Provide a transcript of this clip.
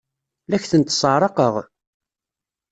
La ak-tent-sseɛraqeɣ?